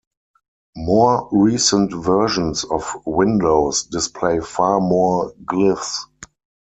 More recent versions of Windows display far more glyphs.